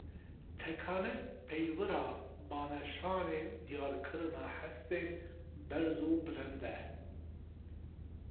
Tekane peywira baneşanê diyarkirina hestên berz û bilind e